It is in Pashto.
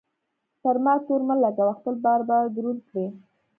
پر ما تور مه لګوه؛ خپل بار به دروند کړې.